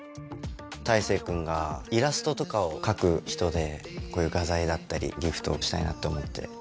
大成君がイラストとかを描く人でこういう画材だったりギフトしたいなと思って。